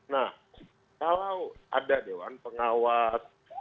nah kalau ada dewan pengawas